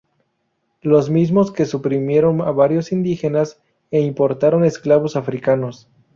Los mismos que suprimieron a varios indígenas e importaron esclavos africanos.